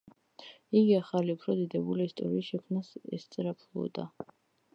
იგი ახალი, უფრო დიდებული ისტორიის შექმნას ესწრაფვოდა.